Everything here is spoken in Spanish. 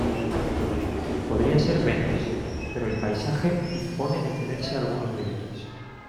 Podría ser menos, pero el paisaje impone detenerse algunos minutos.